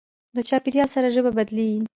له چاپېریال سره ژبه بدلېږي.